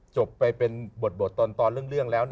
จบไปเป็นบทตอนเรื่องแล้ว